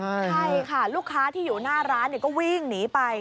ใช่ค่ะลูกค้าที่อยู่หน้าร้านก็วิ่งหนีไป